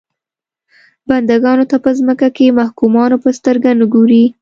بنده ګانو ته په ځمکه کې محکومانو په سترګه نه ګوري.